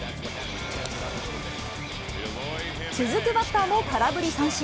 続くバッターも空振り三振。